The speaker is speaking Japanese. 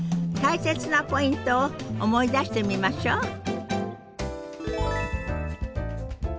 大切なポイントを思い出してみましょう。